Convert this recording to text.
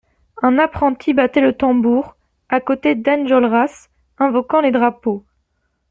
Un apprenti battait le tambour, à côté d'Enjolras invoquant les drapeaux.